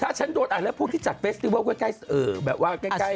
ถ้าฉันโดนอ่านแล้วพวกที่จัดเฟสติเวิลใกล้แบบว่าใกล้